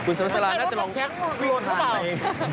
คุณสัมภาษาล่าน่าจะลองแค้นลงไป